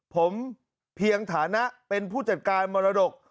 ผมเพียงฐานะเป็นผู้จัดการมรดก